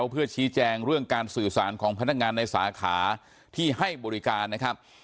เพื่อชี้แจงเรื่องการสื่อสารของพนักงานในสาขาที่ให้บริการนะครับ